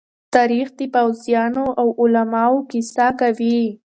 تاریخ د پوځيانو او علماءو کيسه کوي.